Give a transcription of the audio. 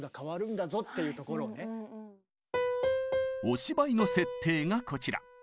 お芝居の設定がこちら。